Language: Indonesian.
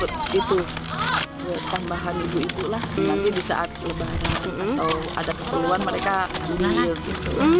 nanti di saat kebarang atau ada keperluan mereka ambil gitu